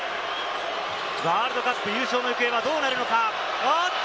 ワールドカップ優勝の行方はどうなるのか？